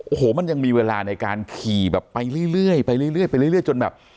โอ้โหมันยังมีเวลาในการขี่แบบไปเรื่อยไปเรื่อยไปเรื่อยจนแบบ